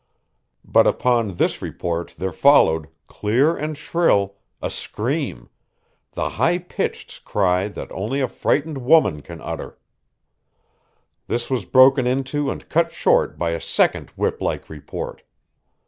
But upon this report there followed, clear and shrill, a scream, the high pitched cry that only a frightened woman can utter. This was broken into and cut short by a second whip like report.